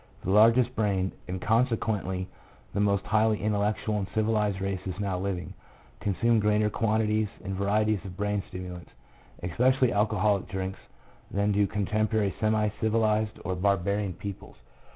The largest brained, and consequently the most highly intellectual and civilized races now living, consume greater quantities and varieties of brain stimulants, especially alcoholic drinks, than do contemporary semi civilized or barbarian peoples.